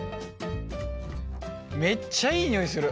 めっちゃいい匂いする。